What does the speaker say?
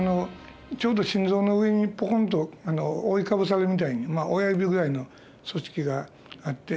ちょうど心臓の上にポコンと覆いかぶさるみたいに親指ぐらいの組織があって。